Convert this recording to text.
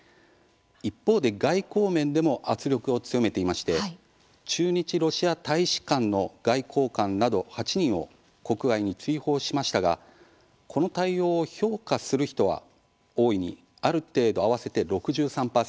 一方で外交面でも圧力を強めていまして駐日ロシア大使館の外交官など８人を国外に追放しましたがこの対応を「評価する」人は「大いに」「ある程度」合わせて６３％。